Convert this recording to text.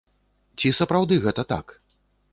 Ці сапраўды гэта так?